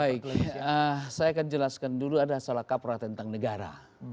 baik saya akan jelaskan dulu ada salah kaprah tentang negara